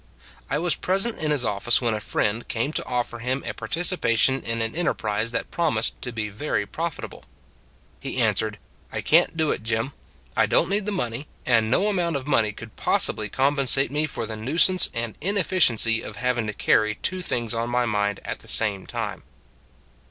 I was present in his office when a friend came to offer him a participation in an en terprise that promised to be very profit able. He answered: " I can t do it, Jim. I don t need the money. And no amount of money could possibly compensate me for the nuisance and inefficiency of having to carry two things on my mind at the same time."